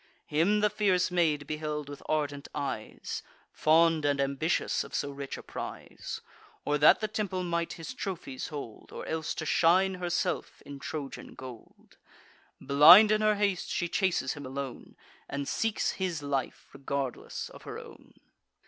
Him the fierce maid beheld with ardent eyes, Fond and ambitious of so rich a prize, Or that the temple might his trophies hold, Or else to shine herself in Trojan gold. Blind in her haste, she chases him alone. And seeks his life, regardless of her own.